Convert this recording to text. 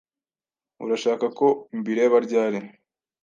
Urashaka ko mbireba ryari?